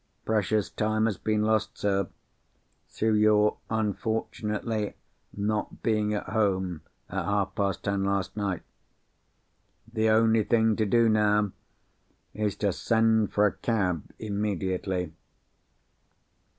Precious time has been lost, sir, through your unfortunately not being at home at half past ten last night. The only thing to do, now, is to send for a cab immediately."